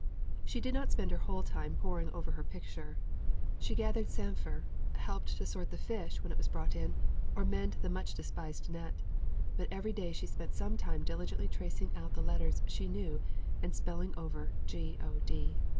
She did not spend her whole time poring over her picture. She gathered samphire, helped to sort the fish when it was brought in, or mend the much despised net; but every day she spent some time diligently tracing out the letters she knew and spelling over G O D.